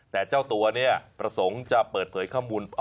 แต่เจ้าตัวเนี่ยประสงค์จะเปิดเผยข้อมูล